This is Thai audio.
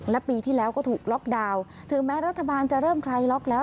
และปีที่แล้วก็ถูกล็อกดาวน์ถึงแม้รัฐบาลจะเริ่มคลายล็อกแล้ว